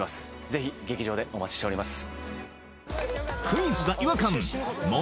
ぜひ劇場でお待ちしております